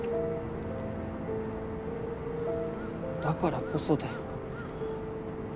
だからこそだよ。